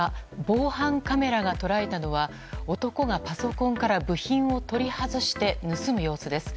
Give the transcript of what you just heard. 防犯カメラが捉えたのは男がパソコンから部品を取り外して盗む様子です。